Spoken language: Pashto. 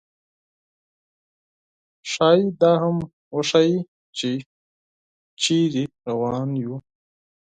ښايي دا هم وښيي، چې چېرته روان یو.